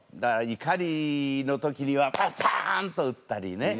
いかりの時にはパンパン！と打ったりね。